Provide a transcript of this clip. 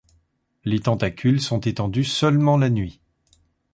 Les tentacules sont étendus seulement la nuit.